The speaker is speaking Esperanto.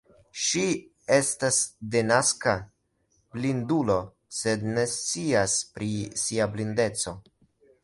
Ŝi estas denaska blindulo, sed ne scias pri sia blindeco.